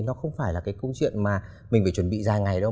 nó không phải là cái câu chuyện mà mình phải chuẩn bị dài ngày đâu